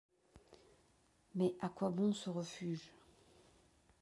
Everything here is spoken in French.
Mais, à quoi bon ce refuge ?